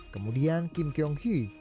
kemudian kim kyung hui